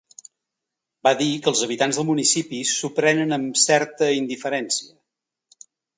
Va dir que els habitants del municipi s’ho prenen amb ‘certa indiferència’.